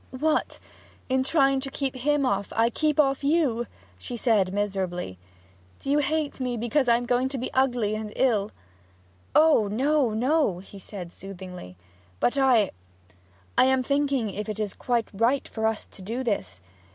'What in trying to keep off him, I keep off you?' she said miserably. 'Do you hate me because I am going to be ugly and ill?' 'Oh no, no!' he said soothingly. 'But I I am thinking if it is quite right for us to do this.